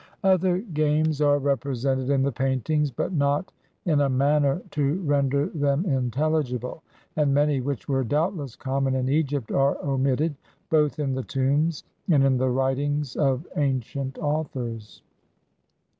Other games are represented in the paintings, but not in a manner to render them intelligible; and many, which were doubtless common in Egypt, are omitted, both in the tombs and in the writings of ancient authors.